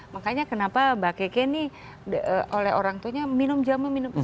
makanya kenapa mbak keke nih oleh orang tuanya minum jamu minum